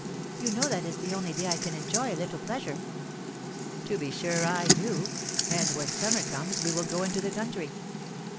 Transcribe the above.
You know that is the only day I can enjoy a little pleasure." "To be sure I do; and when summer comes we will go into the country."